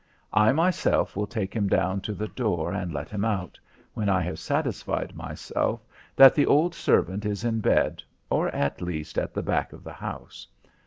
I, myself, will take him down to the door and let him out, when I have satisfied myself that the old servant is in bed or at least at the back of the house.